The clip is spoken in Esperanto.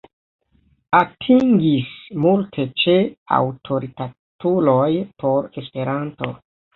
Atingis multe ĉe aŭtoritatuloj por Esperanto.